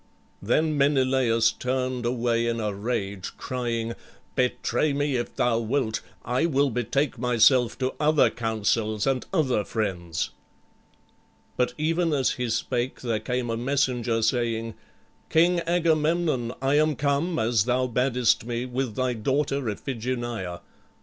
Then Menelaüs turned away in a rage, crying, "Betray me if thou wilt. I will betake myself to other counsels and other friends." But even as he spake there came a messenger, saying, "King Agamemnon, I am come, as thou badest me, with thy daughter Iphigenia.